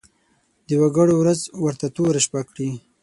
د وګړو ورځ ورته توره شپه کړي.